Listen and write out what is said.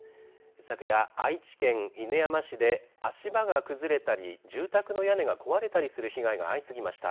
昨夜、愛知県犬山市で足場が崩れたり住宅の屋根が壊れたりする被害が相次ぎました。